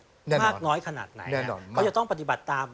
แน่นอนแน่นอนมากน้อยขนาดไหนจะต้องปฏิบัติตาม